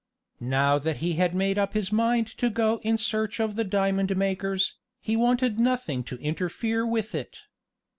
Now that he had made up his mind to go in search of the diamond makers, he wanted nothing to interfere with it.